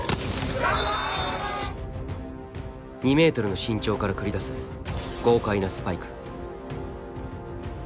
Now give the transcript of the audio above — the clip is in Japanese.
２ｍの身長から繰り出す豪快なスパイク。